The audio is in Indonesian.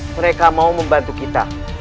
mereka mau membantu kita